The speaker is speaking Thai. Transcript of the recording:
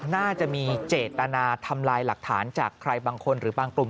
น่าจะมีเจตนาทำลายหลักฐานจากใครบางคนหรือบางกลุ่ม